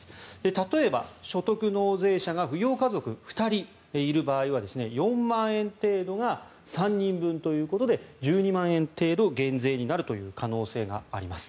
例えば所得納税者が扶養家族２人いる場合は４万円程度が３人分ということで１２万円程度減税になるという可能性があります。